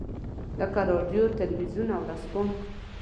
لکه رادیو، تلویزیون او ورځپاڼه.